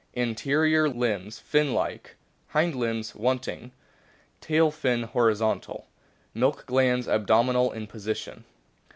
Anterior limbs fin like, hind limbs wanting. Tail fin horizontal. Milk glands abdominal in position."